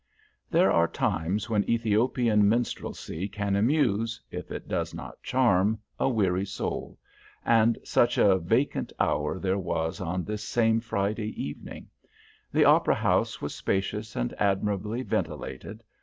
There are times when Ethiopian minstrelsy can amuse, if it does not charm, a weary soul, and such a vacant hour there was on this same Friday evening. The "opera house" was spacious and admirably ventilated.